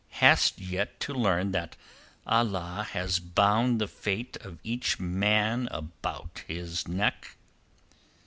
Hast yet to learn that Allah has bound the fate of each man about his neck?"